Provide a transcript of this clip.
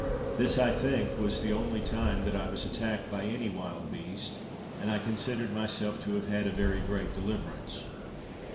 This, I think, was the only time that I was attacked by any wild beast, and I considered myself to have had a very great deliverance.